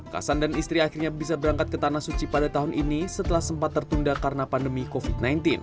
kasan dan istri akhirnya bisa berangkat ke tanah suci pada tahun ini setelah sempat tertunda karena pandemi covid sembilan belas